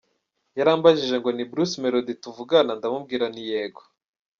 Yarambajije ngo ni Bruce Melody tuvugana? Ndamubwira nti yego.